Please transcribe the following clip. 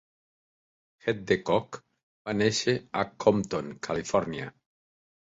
Hedgecock va néixer a Compton, Califòrnia.